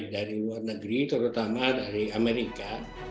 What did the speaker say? dari luar negeri terutama dari amerika